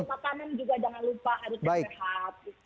makanan juga jangan lupa harusnya sehat